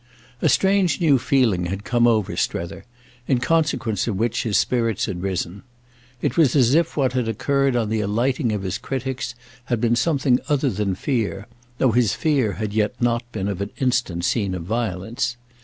A strange new feeling had come over Strether, in consequence of which his spirits had risen; it was as if what had occurred on the alighting of his critics had been something other than his fear, though his fear had yet not been of an instant scene of violence.